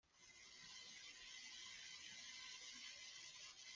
هیچ مسکنی دارید؟